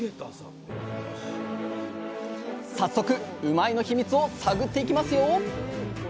早速うまいッ！の秘密を探っていきますよ！